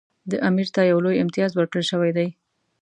دا امیر ته یو لوی امتیاز ورکړل شوی دی.